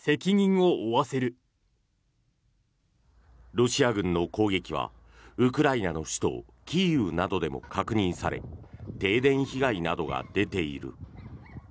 ロシア軍の攻撃はウクライナの首都キーウなどでも確認され停電被害などが出ている。